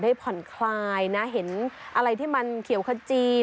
ผ่อนคลายนะเห็นอะไรที่มันเขียวขจี